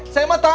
saya mah tau